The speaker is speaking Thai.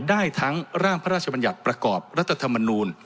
ได้ทั้งร่างพระราชบัญญัติประกอบรัฐธรรมนูล